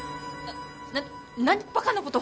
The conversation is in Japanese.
なっ何バカなこと。